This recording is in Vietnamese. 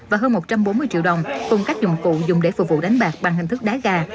và hơn một trăm bốn mươi triệu đồng cùng các dụng cụ dùng để phục vụ đánh bạc bằng hình thức đá gà